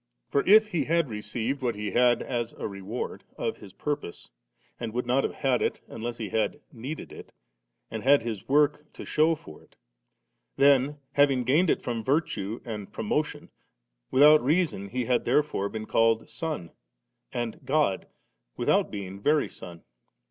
For if He received what He had as a reward of His purpose, and would not have had it, unless He had needed it, and had His work to shew for it, then having gained it from virtue and promotion, with reason had He 'there fore ' been called Son and God, without being very Son.